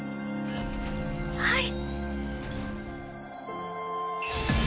はい。